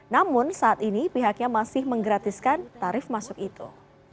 namun saat ini pihaknya masih menggratiskan tarif masuk itu